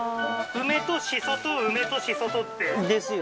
梅と紫蘇と梅と紫蘇とってですよ